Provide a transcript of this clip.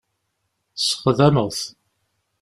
Sexdameɣ-t.